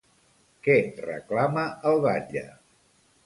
Què reclama el batlle?